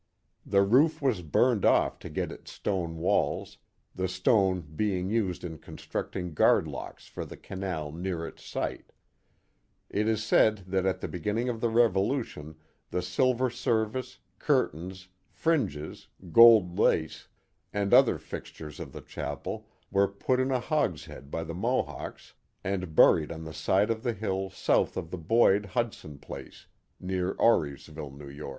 The roof was burned off to get its stone walls, the stone being used in constructing guard locks for the canal near its site. It is said that at the beginning of the Revolu tion the silver service, curtains, fringes, gold lace, and other fixtures of the chapel were put in a hogshead by the Mohawks and buried on the side of the hill south of the Boyd Hudson Place near Auriesville, N. Y.